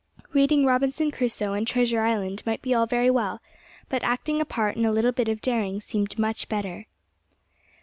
Reading Robinson Crusoe and Treasure Island might be all very well; but acting a part in a little bit of daring seemed much better.